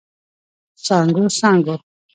څانګو، څانګو